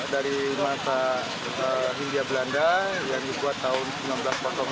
dari mata india belanda yang dibuat tahun seribu sembilan ratus dua dan seribu sembilan ratus sembilan